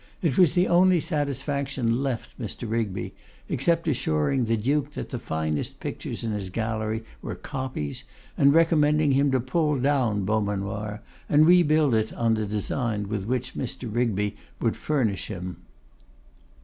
It was the only satisfaction left Mr. Rigby, except assuring the Duke that the finest pictures in his gallery were copies, and recommending him to pull down Beaumanoir, and rebuild it on a design with which Mr. Rigby would furnish him.